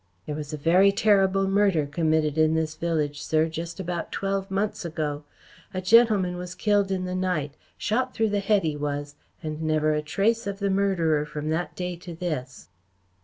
"There was a very terrible murder committed in this village, sir, just about twelve months ago. A gentleman was killed in the night shot through the head, he was and never a trace of the murderer from that day to this."